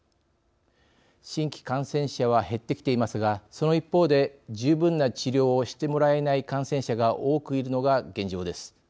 新規感染者は減ってきていますがその一方で十分な治療をしてもらえない感染者が多くいるのが現状です。